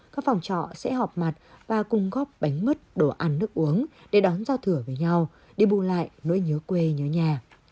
các phòng trọ sẽ họp mặt và cung góp bánh mứt đồ ăn nước uống để đón giao thừa với nhau đi bù lại nỗi nhớ quê nhớ nhà